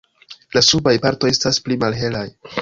La subaj partoj estas pli malhelaj.